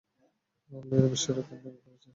লির বিশ্বরেকর্ড ভেঙে ফেলেছে সিম্বা!